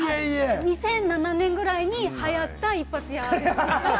２００７年くらいに流行った一発屋です。